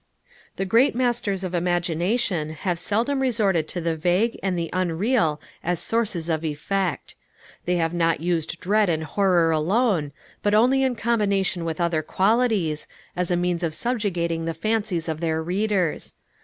The great masters of imagination have seldom resorted to the vague and the unreal as sources of effect. They have not used dread and horror alone, but only in combination with other qualities, as means of subjugating the fancies of their readers.